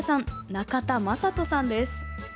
仲田雅人さんです。